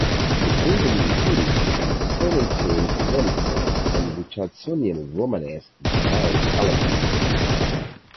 The building included Florentine Renaissance and Richardsonian Romanesque design elements.